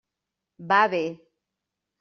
Va bé.